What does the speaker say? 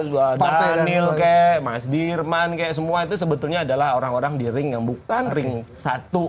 mas daniel kek mas dirman kayak semua itu sebetulnya adalah orang orang di ring yang bukan ring satu